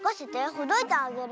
ほどいてあげる。